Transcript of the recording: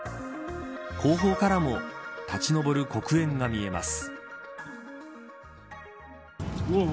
後方からも立ち上る黒煙が見えます。